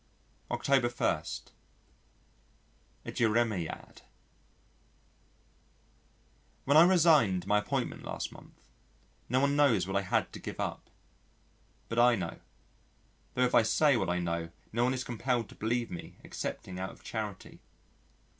August 1. A Jeremiad When I resigned my appointment last month, no one knows what I had to give up. But I know. Tho' if I say what I know no one is compelled to believe me excepting out of charity.